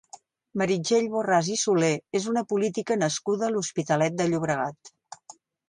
Meritxell Borràs i Solé és una política nascuda a l'Hospitalet de Llobregat.